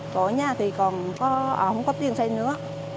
của nhà thì còn không có tiền xây nữa